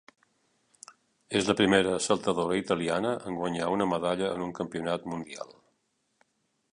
És la primera saltadora italiana en guanyar una medalla en un Campionat Mundial.